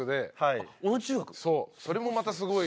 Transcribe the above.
それもまたすごい。